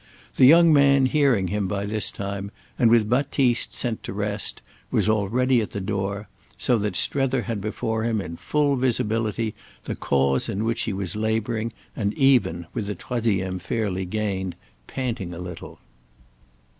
The young man, hearing him by this time, and with Baptiste sent to rest, was already at the door; so that Strether had before him in full visibility the cause in which he was labouring and even, with the troisième fairly gained, panting a little.